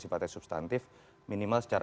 sifatnya substantif minimal secara